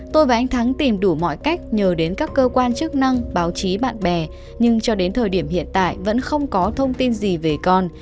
tôi và anh thắng tìm đủ mọi cách nhờ đến các cơ quan chức năng báo chí bạn bè nhưng cho đến thời điểm hiện tại vẫn không có thông tin gì về con